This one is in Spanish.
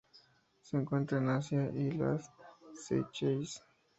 Se encuentra en Asia y las Seychelles.